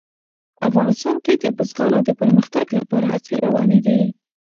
افغانستان کې د بزګانو د پرمختګ لپاره هڅې روانې دي.